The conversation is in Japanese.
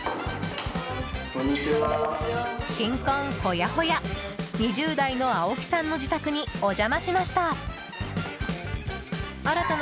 新婚ほやほや２０代の青木さんの自宅にお邪魔しました。